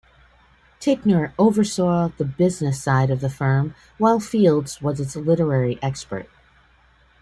Ticknor oversaw the business side of the firm while Fields was its literary expert.